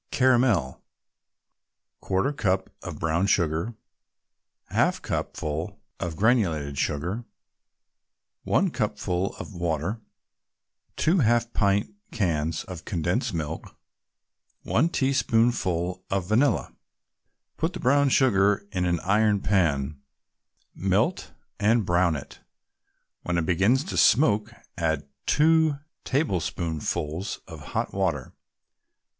CARAMEL 1/4 cupful of brown sugar 1/2 cupful of granulated sugar 1 cupful of water 2 half pint cans of condensed milk 1 teaspoonful of vanilla Put the brown sugar in an iron pan, melt and brown it. When it begins to smoke, add two tablespoonfuls of hot water.